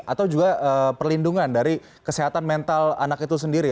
atau juga perlindungan dari kesehatan mental anak itu sendiri